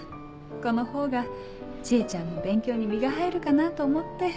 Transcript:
このほうが知恵ちゃんも勉強に身が入るかなと思って。